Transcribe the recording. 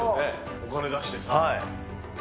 お金出してさ。